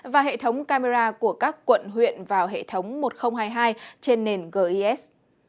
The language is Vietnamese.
và hệ thống camera của các quận huyện vào hệ thống một nghìn hai mươi hai trên nền gis